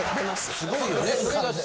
すごいよね。